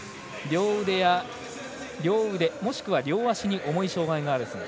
両腕、もしくは両足に重い障がいがある選手。